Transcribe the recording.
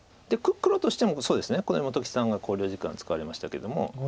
黒としてもここで本木さんが考慮時間使われましたけども。